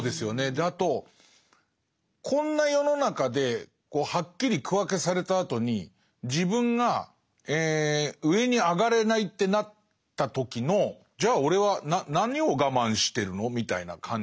であとこんな世の中ではっきり区分けされたあとに自分が上に上がれないってなった時のじゃあ俺は何を我慢してるの？みたいな感じ。